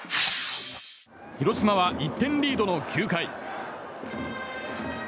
広島は１点リードの９回。